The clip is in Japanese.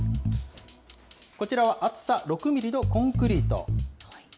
こちらは厚さ６ミリのコンクリート。